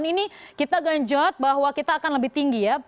ini kita ganjat bahwa kita akan lebih tinggi ya